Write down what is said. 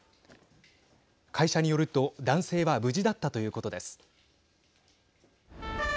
会社によると男性は無事だったということです。